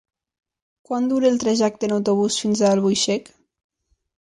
Quant dura el trajecte en autobús fins a Albuixec?